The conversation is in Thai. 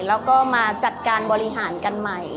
แล้วก็มาจัดการบริหารกันใหม่